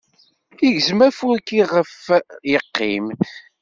Igzem afurk iɣef iqqim.